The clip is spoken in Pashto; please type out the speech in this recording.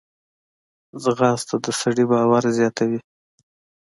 ځغاسته د سړي باور زیاتوي